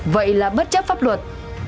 vậy là bất chấp pháp luật